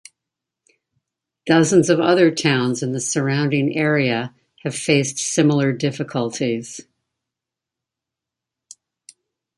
Dozens of other towns in the surrounding area have faced similar difficulties.